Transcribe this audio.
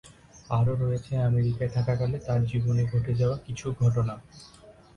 আরও রয়েছে আমেরিকায় থাকাকালে তার জীবনে ঘটে যাওয়া কিছু ঘটনা।